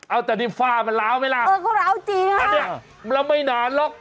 เอาแต่นี่ฝ้ามันราวไหมล่ะเออก็ราวจริงแล้วไม่นานหรอก